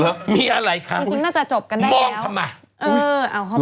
แล้วมีอะไรคะมองทำไมเอาเข้าไปเนอะ